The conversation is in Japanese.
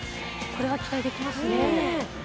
これは期待できますね。